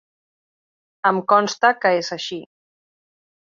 Em consta que és així.